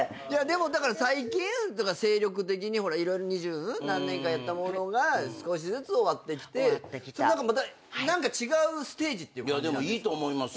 だから最近精力的に二十何年間やったものが少しずつ終わってきてそれまた何か違うステージっていう感じなんですか？